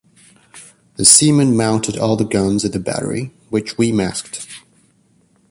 The seamen mounted all the guns in the battery, which we masked.